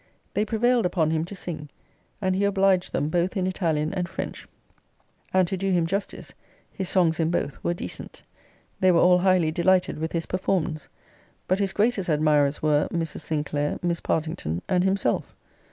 They prevailed upon him to sing, and he obliged them both in Italian and French; and, to do him justice, his songs in both were decent. They were all highly delighted with his performance; but his greatest admirers were, Mrs. Sinclair, Miss Partington, and himself.